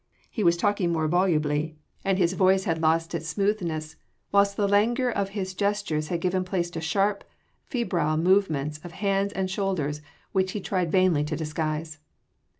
He was talking more volubly, and his voice had lost its smoothness, whilst the languor of his gestures had given place to sharp, febrile movements of hands and shoulders which he tried vainly to disguise.